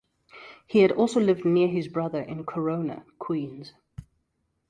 He had also lived near his brother in Corona, Queens.